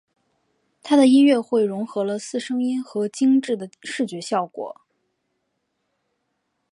他的音乐会融合了四声音和精致的视觉效果。